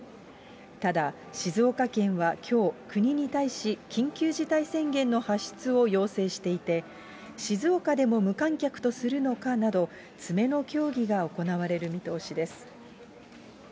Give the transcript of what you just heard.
ただ、静岡県はきょう、国に対し緊急事態宣言の発出を要請していて、静岡でも無観客とするのかなど、詰めの協議が行われる見通しです。